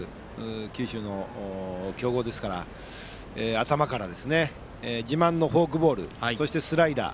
九州の強豪ですから頭から自慢のフォークボールとかそしてスライダー。